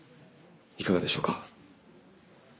いかがでしょうか？